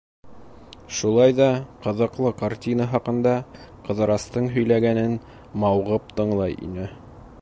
Шулай ҙа ҡыҙыҡлы картина хаҡында Ҡыҙырастың һөйләгәнен мауығып тыңлай ине.